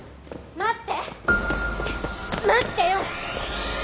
待ってよ！